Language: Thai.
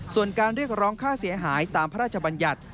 ส่วนการเรียกร้องค่าเสียหายตามพระราชบัญญัติ